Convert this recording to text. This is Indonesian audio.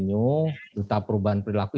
dan juga untuk perubahan perilaku